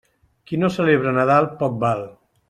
Qui no celebra Nadal, poc val.